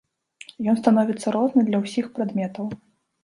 Ён становіцца розны для ўсіх прадметаў.